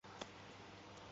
আমার বয়সতো ষোল।